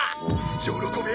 「喜べ！